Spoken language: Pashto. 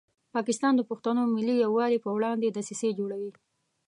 پاکستان د پښتنو ملي یووالي په وړاندې دسیسې جوړوي.